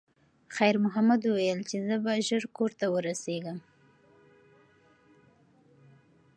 خیر محمد وویل چې زه به ژر کور ته ورسیږم.